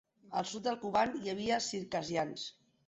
A sud del Kuban hi havia circassians.